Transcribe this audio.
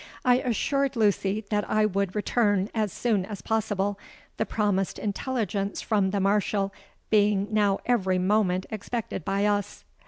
I assured Lucy that I would return as soon as possible, the promised intelligence from the Marshal being now every moment expected by us.